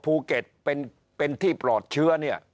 ภูเก็ตเป็นที่ปลอดเชื้อเนี่ย